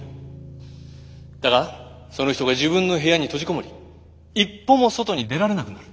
だがその人が自分の部屋に閉じこもり一歩も外に出られなくなる。